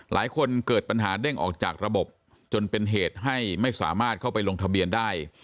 หลายคนเกิดปัญหาเด้งออกจากระบบจนเป็นเหตุให้ไม่สามารถเข้าไปลงทะเบียนได้